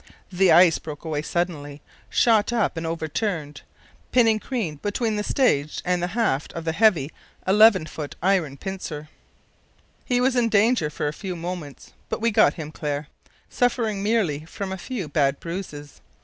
The ice broke away suddenly, shot upward and overturned, pinning Crean between the stage and the haft of the heavy 11 ft. iron pincher. He was in danger for a few moments, but we got him clear, suffering merely from a few bad bruises.